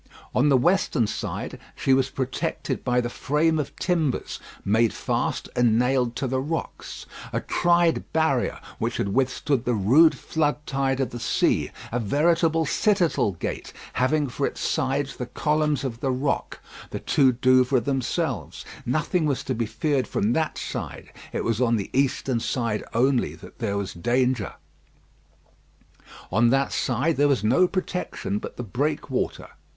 On the western side she was protected by the frame of timbers made fast and nailed to the rocks a tried barrier which had withstood the rude flood tide of the sea; a veritable citadel gate, having for its sides the columns of the rock the two Douvres themselves. Nothing was to be feared from that side. It was on the eastern side only that there was danger. On that side there was no protection but the breakwater.